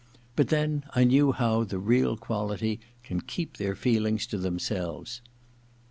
But then I knew how the real quality can keep their feelings to themselves.